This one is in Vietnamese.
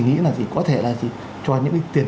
nghĩ là gì có thể là gì cho những cái tiền